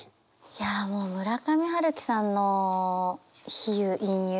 いやあもう村上春樹さんの比喩隠喩